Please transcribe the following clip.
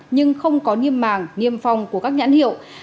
nhưng không có niêm màng niêm phong của các nhãn hiệu